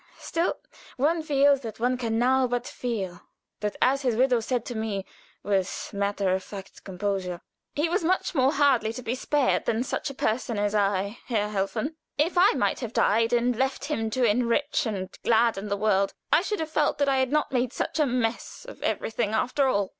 Still, one feels one can now but feel that, as his widow said to me, with matter of fact composure: "He was much more hardly to be spared than such a person as I, Herr Helfen. If I might have died and left him to enrich and gladden the world, I should have felt that I had not made such a mess of everything after all."